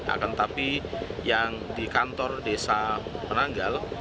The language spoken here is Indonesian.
akan tetapi yang di kantor desa penanggal